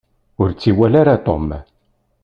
Ur tt-iwala ara Tom.